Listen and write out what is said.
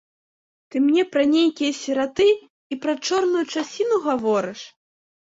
Ты мне пра нейкія сіраты і пра чорную часіну гаворыш?